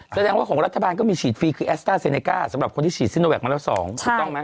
แสดงว่าของรัฐบาลก็มีฉีดฟรีคือแอสต้าเซเนก้าสำหรับคนที่ฉีดซิโนแวคมาแล้ว๒ถูกต้องไหม